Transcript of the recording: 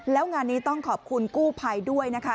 แล้วงานนี้ต้องขอบคุณกู้ภัยด้วยนะคะ